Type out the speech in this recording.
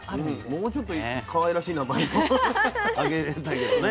もうちょっとかわいらしい名前もあげたいけどね。